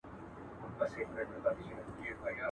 کښتۍ وان یم له څپو سره چلېږم.